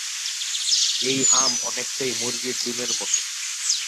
এই আম অনেকটাই মুরগির ডিমের মতো।